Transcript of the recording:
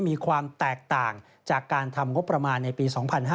มีความแตกต่างจากการทำงบประมาณในปี๒๕๕๙